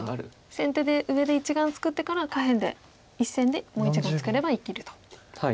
先手で上で１眼作ってから下辺で１線でもう１眼作れば生きると。